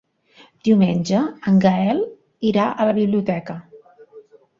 Diumenge en Gaël irà a la biblioteca.